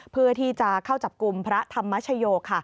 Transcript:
เพื่อที่จะเข้าจับกลุ่มพระธรรมชโย